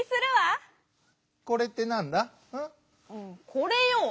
「これ」よ！